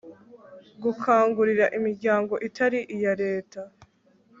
gukangurira imiryango itari iya leta